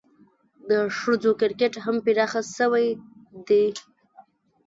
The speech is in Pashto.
د ښځو کرکټ هم پراخه سوی دئ.